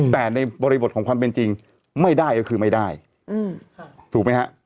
แต่ในบริบทของความเป็นจริงไม่ได้ก็คือไม่ได้ถูกไหมฮะ